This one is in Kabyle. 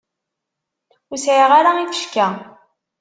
Ur sɛiɣ ara ifecka.